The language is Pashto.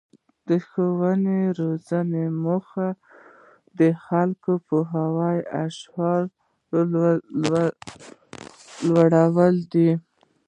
د ښوونې او روزنې موخه د خلکو پوهه او شعور لوړول دي.